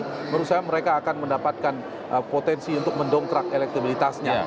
menurut saya mereka akan mendapatkan potensi untuk mendongkrak elektabilitasnya